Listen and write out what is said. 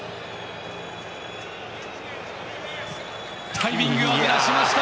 タイミングを乱しました！